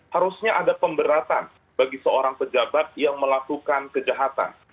harusnya ada pemberatan bagi seorang pejabat yang melakukan kejahatan